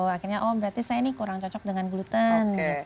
akhirnya oh berarti saya ini kurang cocok dengan gluten